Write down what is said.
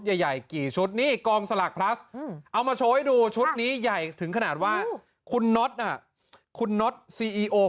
เรื่อยกี่ชุดนี่กองสลากพลัดเอามาโชว์ให้ดูชุดนี้ใหญ่ถึงขนาดว่าคุณน็อตคุณสนาน